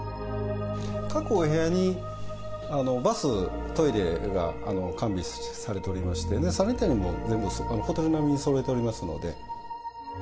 各お部屋にバス、トイレが完備されておりまして、サニタリーも全部ホテル並みにそろえておりますので。